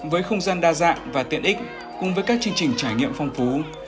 với không gian đa dạng và tiện ích cùng với các chương trình trải nghiệm phong phú